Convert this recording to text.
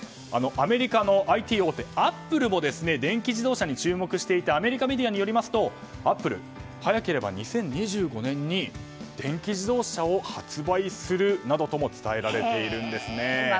アメリカのＩＴ大手アップルも電気自動車に注目していてアメリカメディアによりますとアップル、早ければ２０２５年に電気自動車を発売するなどとも伝えられているんです。